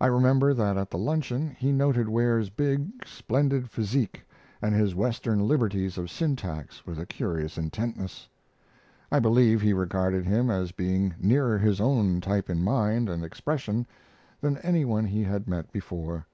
I remember that at the luncheon he noted Ware's big, splendid physique and his Western liberties of syntax with a curious intentness. I believe he regarded him as being nearer his own type in mind and expression than any one he had met before.